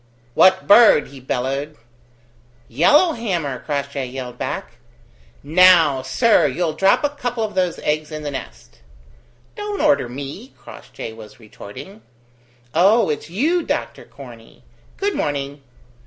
"What bird?" he bellowed. "Yellowhammer," Crossjay yelled back. "Now, sir, you'll drop a couple of those eggs in the nest." "Don't order me," Crossjay was retorting. "Oh, it's you, Doctor Corney. Good morning.